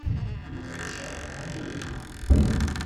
Yuba yekṛeh Halloween.